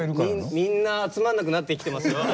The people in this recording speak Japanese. みんな集まんなくなってきてますよ。